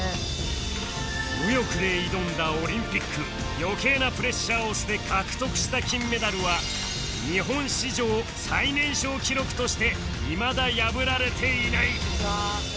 余計なプレッシャーを捨て獲得した金メダルは日本史上最年少記録としていまだ破られていない